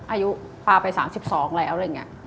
อายุพาไป๓๒แล้ว